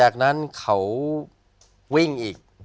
เขาวิ่งอีก